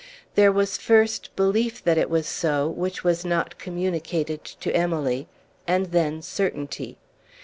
There was first belief that it was so, which was not communicated to Emily, and then certainty.